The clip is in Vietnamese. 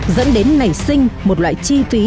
dẫn đến nảy sinh một loại chi phí